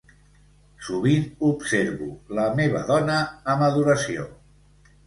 Sovint observo la meva dona amb adoració.